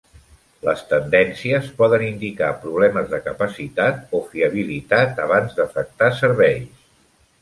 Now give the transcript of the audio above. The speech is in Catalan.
Les tendències poden indicar problemes de capacitat o fiabilitat abans d'afectar serveis.